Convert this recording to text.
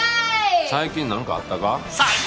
最近なんかあったか？